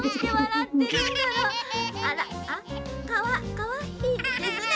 かわいいですね。